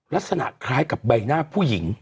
ลักษณะคล้ายกับใบหน้าผู้หญิง